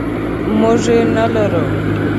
موږ یې نلرو.